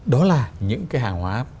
đó là những cái hàng hóa